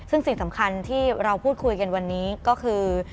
ซึ่งสิ่งสำคัญที่เราพูดคุยกันวันนี้ก็คือ